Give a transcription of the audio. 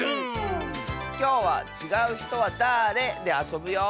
きょうは「ちがうひとはだれ？」であそぶよ！